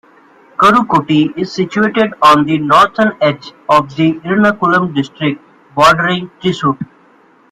Karukutty is situated on the northern edge of the Ernakulam district, bordering Thrissur.